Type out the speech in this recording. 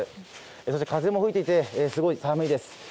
そして風も吹いていてすごい寒いです。